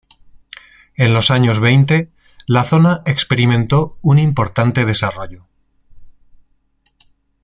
En los años veinte la zona experimentó un importante desarrollo.